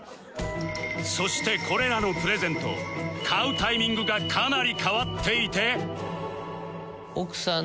そしてこれらのプレゼント買うタイミングがかなり変わっていて